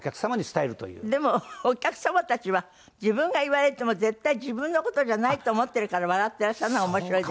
でもお客様たちは自分が言われても絶対自分の事じゃないと思ってるから笑ってらっしゃるのが面白い。